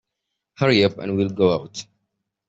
Hurry up and we'll go out.